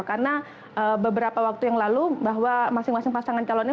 karena beberapa waktu yang lalu bahwa masing masing pasangan calon ini